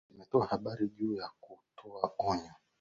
limetoa habari juu ya kutoa onyo